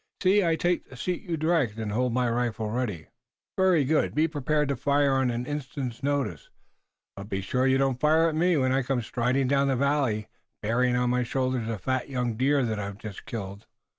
See, I take the seat you direct, and I hold my rifle ready." "Very good. Be prepared to fire on an instant's notice, but be sure you don't fire at me when I come striding down the valley bearing on my shoulders a fat young deer that I have just killed."